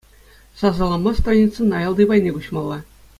Сасӑлама страницӑн аялти пайне куҫмалла.